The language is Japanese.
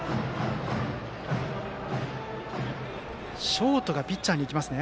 ショートがピッチャーに行きますね。